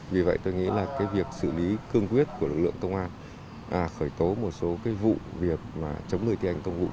vì vậy tôi nghĩ là việc xử lý cương quyết của lực lượng công an khởi tố một số cái vụ việc chống người thi hành công vụ